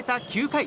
９回。